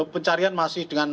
pencarian masih dengan